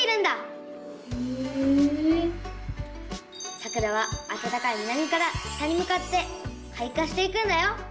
さくらはあたたかい南から北にむかってかい花していくんだよ。